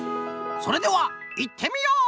それではいってみよう！